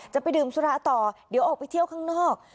จะไปดื่มสุราต่อเดี๋ยวออกไปเที่ยวข้างนอก